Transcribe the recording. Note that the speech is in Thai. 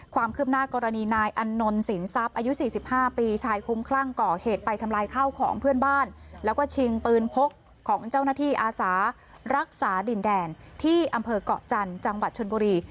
ความคืบหน้ากรณีนายอันนนสินทรัพย์อายุ๔๕ปีชายคุ้มคลั่งก่อเหตุไปทำลายข้าวของเพื่อนบ้านแล้วก็ชิงปืนพกของเจ้าหน้าที่อาสารักษาดินแดนที่อำเภอกเกาะจันทร์จังหวัดชนบุรี